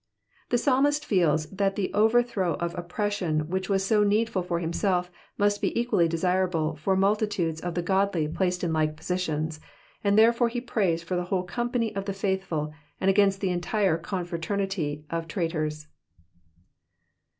The palmist feels that the overthrow of oppression which was so needful for himself must be equally desirable for multitudes of the godly placed in like positions, and therefore he prays for the whole company of the faithful, and against the entire confraternity of traitors.